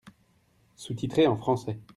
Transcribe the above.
Sous-titré en français.